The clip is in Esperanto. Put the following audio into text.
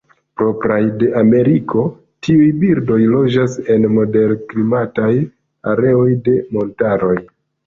Propraj de Ameriko, tiuj birdoj loĝas en moderklimataj areoj de montaroj.